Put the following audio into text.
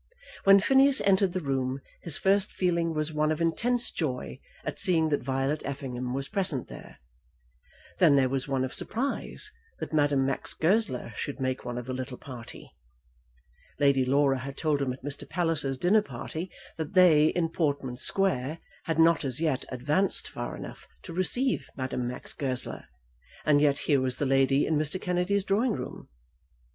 When Phineas entered the room his first feeling was one of intense joy at seeing that Violet Effingham was present there. Then there was one of surprise that Madame Max Goesler should make one of the little party. Lady Laura had told him at Mr. Palliser's dinner party that they, in Portman Square, had not as yet advanced far enough to receive Madame Max Goesler, and yet here was the lady in Mr. Kennedy's drawing room.